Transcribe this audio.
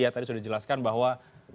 tadi sudah dijelaskan bahwa